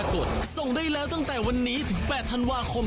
ขุดปริวัติแก้วบุฏาจากจังหวัดนครพนม